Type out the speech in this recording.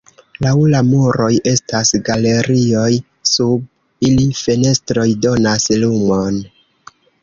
Laŭ la muroj estas galerioj, sub ili fenestroj donas lumon.